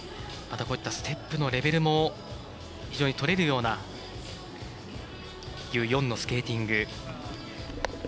こういったステップのレベルも非常に取れるようなユ・ヨンのスケーティング。